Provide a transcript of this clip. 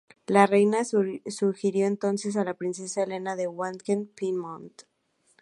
La reina sugirió entonces a la princesa Elena de Waldeck-Pyrmont.